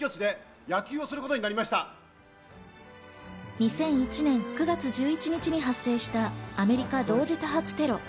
２００１年９月１１日に発生した、アメリカ同時多発テロ。